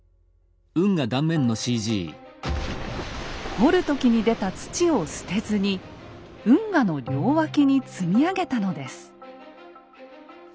掘る時に出た土を捨てずに運河の両脇に積み上げたのです。